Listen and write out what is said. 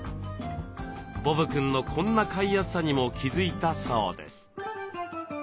ボブくんのこんな飼いやすさにも気付いたそうです。